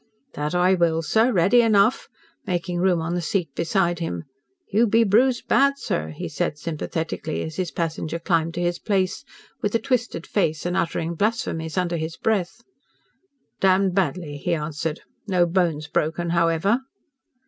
"That I will, sir, ready enough," making room on the seat beside him. "You be bruised bad, sir," he said sympathetically, as his passenger climbed to his place, with a twisted face and uttering blasphemies under his breath. "Damned badly," he answered. "No bones broken, however."